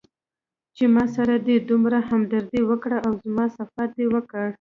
چې ماسره دې دومره همدردي وکړه او زما صفت دې وکړ.